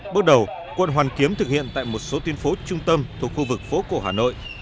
bước đầu quận hoàn kiếm thực hiện tại một số tuyên phố trung tâm thuộc khu vực phố cổ hà nội